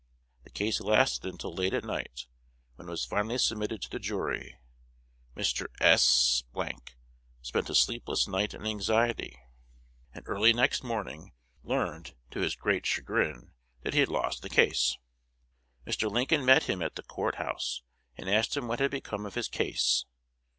The case lasted until late at night, when it was finally submitted to the jury. Mr. S spent a sleepless night in anxiety, and early next morning learned, to his great chagrin, that he had lost the case. Mr. Lincoln met him at the Court House, and asked him what had become of his case.